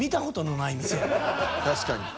確かに。